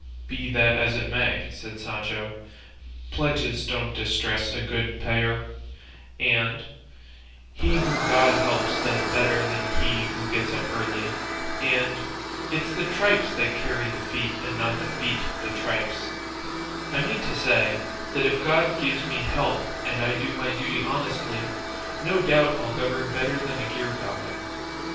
"Be that as it may," said Sancho, "'pledges don't distress a good payer,' and 'he whom God helps does better than he who gets up early,' and 'it's the tripes that carry the feet and not the feet the tripes;' I mean to say that if God gives me help and I do my duty honestly, no doubt I'll govern better than a gerfalcon.